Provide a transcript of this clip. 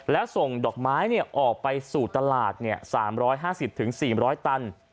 แล้วส่งดอกไม้ออกไปสู่ตลาด๓๕๐๔๐๐ตัน